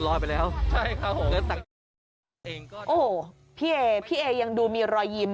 ลอยไปแล้วใช่ค่ะโอ้พี่เอพี่เอยังดูมีรอยยิ้ม